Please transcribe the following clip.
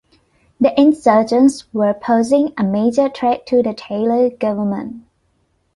The insurgents were posing a major threat to the Taylor government.